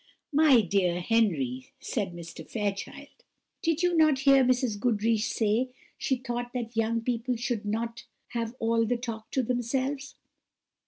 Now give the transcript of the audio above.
"My dear Henry," said Mr. Fairchild, "did not you hear Mrs. Goodriche say she thought that young people should not have all the talk to themselves?"